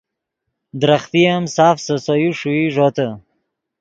درختے ام ساف سے سے یو ݰوئی ݱوتے